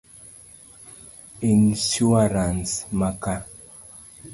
Insuarans ma ka